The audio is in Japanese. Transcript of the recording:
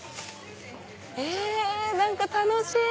え何か楽しい！